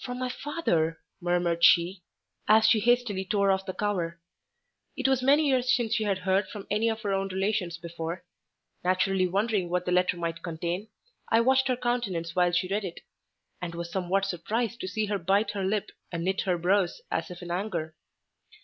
"From my father!" murmured she, as she hastily tore off the cover. It was many years since she had heard from any of her own relations before. Naturally wondering what the letter might contain, I watched her countenance while she read it, and was somewhat surprised to see her bite her lip and knit her brows as if in anger.